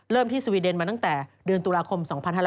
ที่สวีเดนมาตั้งแต่เดือนตุลาคม๒๕๕๙